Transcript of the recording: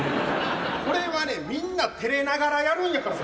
これはね、みんなてれながらやるんやから。